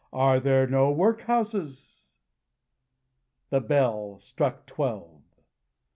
"Are there no work houses?" The bell struck twelve.